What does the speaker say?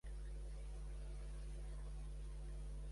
La segona muller de Mancuso era l'actriu Barbara Williams.